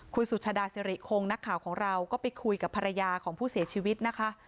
คุณสุชาดาสิริคงนักข่าวของเราก็ไปคุยกับภรรยาของผู้เสียชีวิตนะคะ